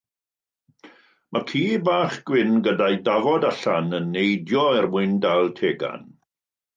Mae ci bach gwyn gyda'i dafod allan yn neidio er mwyn dal tegan.